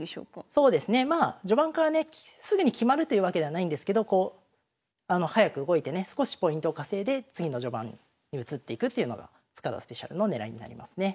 そうですねまあ序盤からねすぐに決まるというわけではないんですけど早く動いてね少しポイントを稼いで次の序盤に移っていくというのが塚田スペシャルの狙いになりますね。